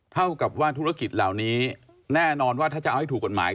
เท่ากับว่าธุรกิจเหล่านี้แน่นอนว่าถ้าจะเอาให้ถูกกฎหมาย